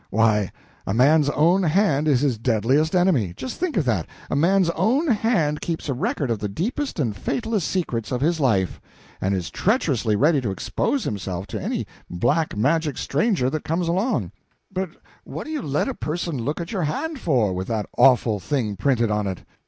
Why, a man's own hand is his deadliest enemy! Just think of that a man's own hand keeps a record of the deepest and fatalest secrets of his life, and is treacherously ready to expose him to any black magic stranger that comes along. But what do you let a person look at your hand for, with that awful thing printed on it?"